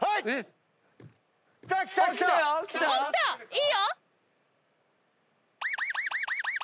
いいよ！